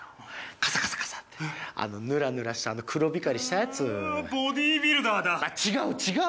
カサカサカサーッてあのヌラヌラしたあの黒光りしたやつうっボディビルダーだ違う